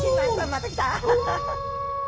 また来た！